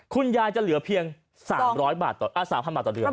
คุณยายจะเหลือเพียง๓๐๐๐บาทต่อเดือน